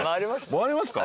回れますか？